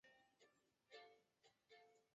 玛瑙山之战爆发于崇祯十二年玛瑙山。